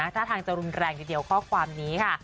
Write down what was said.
ท่าทางจะรุนแรงทีเดียวข้อความนี้ค่ะ